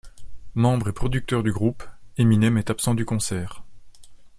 Membre et producteur du groupe, Eminem est absent du concert.